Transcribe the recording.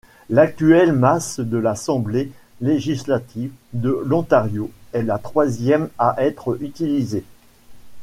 L'actuelle masse de l'Assemblée législative de l'Ontario est la troisième à être utilisée.